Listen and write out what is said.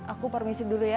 aku permisi dulu ya